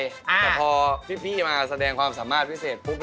แต่พอพี่มาแสดงความสามารถพิเศษปุ๊บ